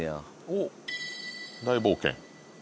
おっ大冒険。